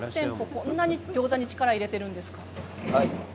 こんなに餃子に力を入れているんですか？